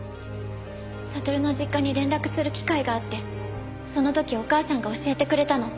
悟の実家に連絡する機会があってその時お母さんが教えてくれたの。